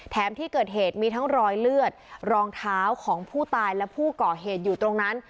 ที่เกิดเหตุมีทั้งรอยเลือดรองเท้าของผู้ตายและผู้ก่อเหตุอยู่ตรงนั้น